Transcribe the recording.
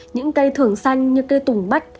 những cây thường xanh như cây tủng bách